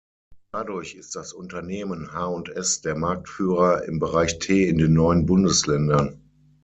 Dadurch ist das Unternehmen H&S der Marktführer im Bereich Tee in den Neuen Bundesländern.